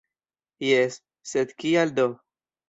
Jes, sed kial do?